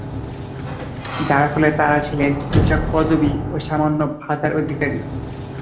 যার ফলে তাঁরা ছিলেন নিছক পদবি ও সামান্য ভাতার অধিকারী।